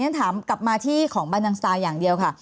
ทีนี้ถามกลับมาที่ของบานดังสตาร์อย่างเดียวค่ะ